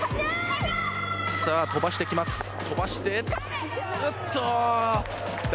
飛ばしてきます。